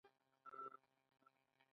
چا ته لمر چا ته سایه شي